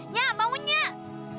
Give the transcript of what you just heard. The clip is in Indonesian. nyah bangun nyah